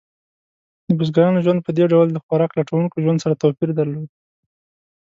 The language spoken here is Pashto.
د بزګرانو ژوند په دې ډول د خوراک لټونکو ژوند سره توپیر درلود.